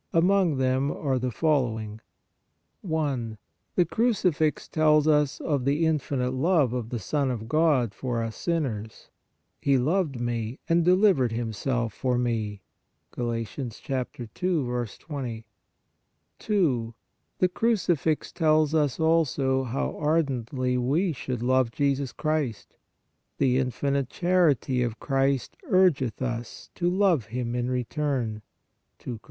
Among them are the following : 1. The Crucifix tells us of the infinite love of the Son of God for us, sinners :" He loved me and de livered Himself for me" (Gal. 2. 20). 2. The Crucifix tells us also how ardently we should love Jesus Christ: "The (infinite) charity of Christ urgeth us" (to love Him in return) (II Cor.